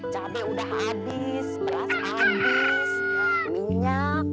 cabai udah habis beras habis minyak